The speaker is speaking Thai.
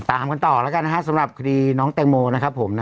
ตามกันต่อก่อนนะคะสำหรับคุณที่น้องแตงโมนะครับผม